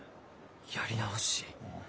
やり直し。